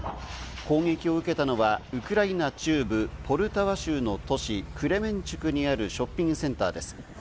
攻撃を受けたのはウクライナ中部ポルタワ州の都市クレメンチュクにあるショッピングセンターです。